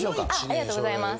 ありがとうございます。